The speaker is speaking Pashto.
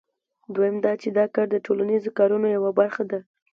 دویم دا چې دا کار د ټولنیزو کارونو یوه برخه ده